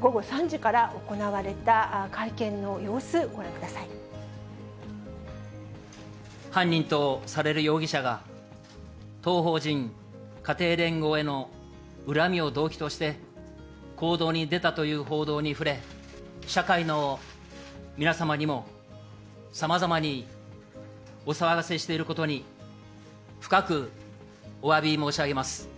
午後３時から行われた会見の様子、犯人とされる容疑者が、当法人家庭連合への恨みを動機として、行動に出たという報道に触れ、社会の皆様にも、さまざまにお騒がせしていることに、深くおわび申し上げます。